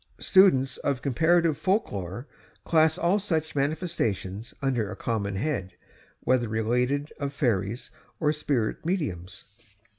Students of comparative folk lore class all such manifestations under a common head, whether related of fairies or spirit mediums.